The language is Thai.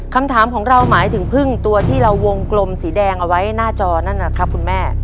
คำถามของเราหมายถึงพึ่งตัวที่เราวงกลมสีแดงเอาไว้หน้าจอนั่นนะครับคุณแม่